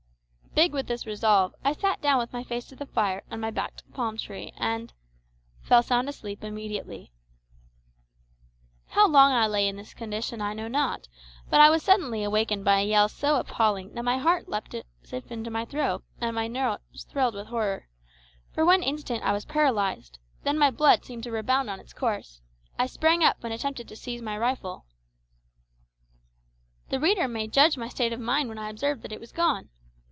Big with this resolve, I sat down with my face to the fire and my back to the palm tree, and fell sound asleep instantly! How long I lay in this condition I know not, but I was suddenly awakened by a yell so appalling that my heart leaped as if into my throat, and my nerves thrilled with horror. For one instant I was paralysed; then my blood seemed to rebound on its course. I sprang up and attempted to seize my rifle. The reader may judge of my state of mind when I observed that it was gone!